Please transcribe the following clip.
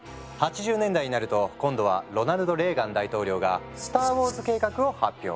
８０年代になると今度はロナルド・レーガン大統領が「スターウォーズ計画」を発表。